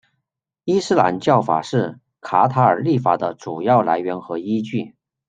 伊斯兰教法是卡塔尔立法的主要来源和依据。